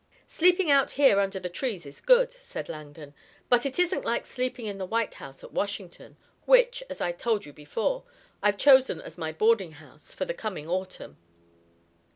"Sleeping out here under the trees is good," said Langdon, "but it isn't like sleeping in the White House at Washington, which, as I told you before, I've chosen as my boarding house for the coming autumn."